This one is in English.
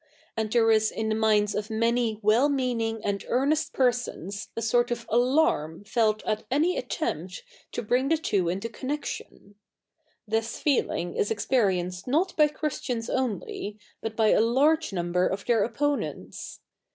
id the7'e is i7t the 77iinds of 77iany well 7neani7ig a7id ear7iest perso7is a S07 t of alar77i felt at any atte7npt to bring the tivo i7ito co7i7ieciio7i. This feeli7ig is experienced not by Ch7 istians only, but by a large number of their oppo7ie7its.